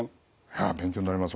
勉強になります